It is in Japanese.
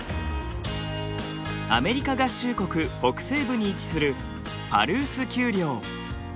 アメリカ合衆国北西部に位置するパルース丘陵。